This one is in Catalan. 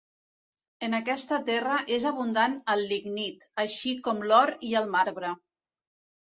En aquesta terra és abundant el lignit, així com l'or i el marbre.